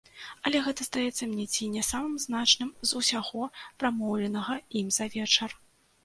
Але гэта здаецца мне ці не самым значным з усяго, прамоўленага ім за вечар.